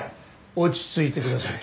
落ち着いてください。